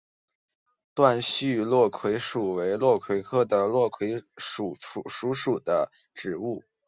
短序落葵薯为落葵科落葵薯属的植物。